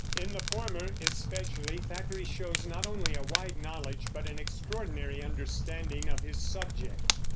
In the former especially, Thackeray shows not only a wide knowledge but an extraordinary understanding of his subject.